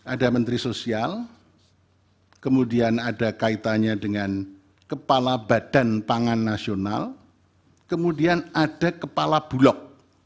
ada menteri sosial kemudian ada kaitannya dengan kepala badan pangan nasional kemudian ada kepala bulog